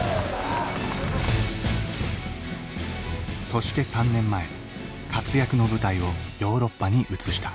そして３年前活躍の舞台をヨーロッパに移した。